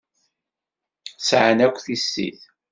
Sεan akk tissit.